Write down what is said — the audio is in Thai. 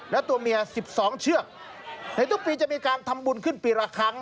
และตัวเมีย๑๒เชือกในทุกปีจะมีการทำบุญขึ้นปีละครั้ง